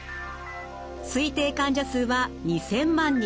推定患者数は２，０００万人。